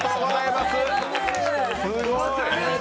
すごい。